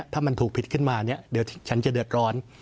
ถ้ามันถูกผิดขึ้นมาเนี่ยเดี๋ยวฉันจะเดือดร้อน